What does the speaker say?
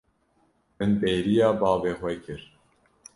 Min bêriya bavê xwe kir.